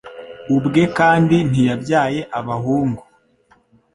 ubwe kandi ntiyabyaye abahungu